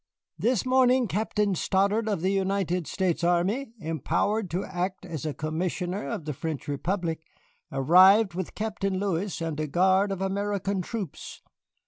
This morning Captain Stoddard of the United States Army, empowered to act as a Commissioner of the French Republic, arrived with Captain Lewis and a guard of American troops.